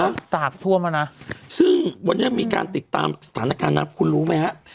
ตากท่วมแล้วนะซึ่งวันนี้มีการติดตามสถานการณ์น้ำคุณรู้ไหมฮะ